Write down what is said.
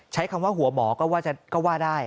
ใช้คำว่าหัวหมอก็ว่าได้